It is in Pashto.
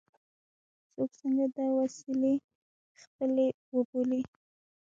څوک څنګه دا وسیلې خپلې وبولي.